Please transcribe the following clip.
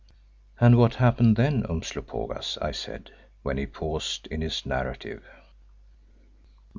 "And what happened then, Umslopogaas?" I said, when he paused in his narrative.